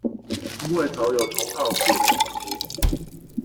因為早有同好寫了很多